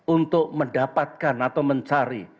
untuk mendapatkan atau mencari